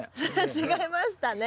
違いましたね。